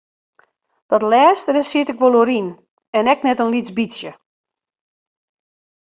Dat lêste siet ik wol oer yn en ek net in lyts bytsje.